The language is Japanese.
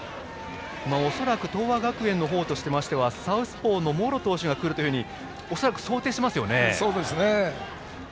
恐らく東亜学園としてはサウスポーの茂呂投手が来るというふうに恐らく想定していますよね。